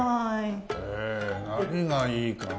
ええ何がいいかね？